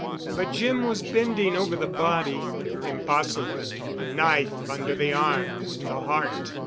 But Jim was bending over the body. "Impossible. A knife under the arm—in the heart.